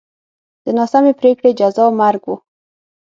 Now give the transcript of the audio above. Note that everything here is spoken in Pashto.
د ناسمې پرېکړې جزا مرګ و